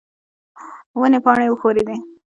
ونې پاڼې وښورېدې.